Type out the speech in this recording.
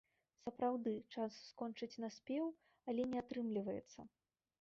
Сапраўды, час скончыць наспеў, але не атрымліваецца.